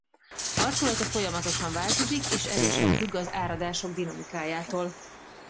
Arculata folyamatosan változik és erősen függ az áradások dinamikájától.